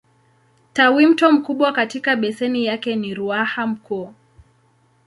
Tawimto mkubwa katika beseni yake ni Ruaha Mkuu.